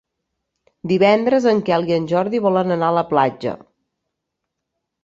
Divendres en Quel i en Jordi volen anar a la platja.